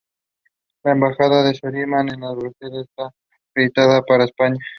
La embajada de Surinam en Bruselas está acreditada para España.